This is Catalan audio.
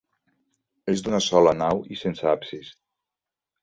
És d'una sola nau i sense absis.